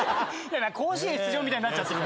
甲子園出場みたいになっちゃって。